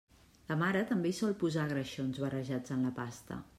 La mare també hi sol posar greixons barrejats en la pasta.